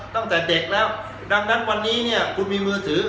ตั้งแต่เด็กแล้วดังนั้นวันนี้เนี่ยคุณมีมือถือ